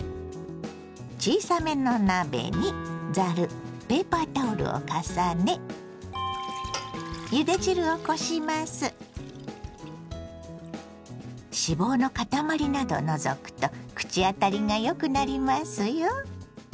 小さめの鍋にざるペーパータオルを重ね脂肪の塊などを除くと口当たりがよくなりますよ。